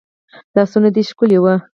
لاسونه دي ښکلي وه